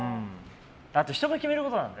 あと、人が決めることなので。